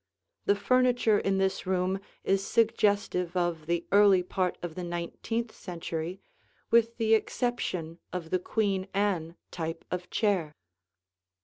The furniture in this room is suggestive of the early part of the nineteenth century, with the exception of the Queen Anne type of chair.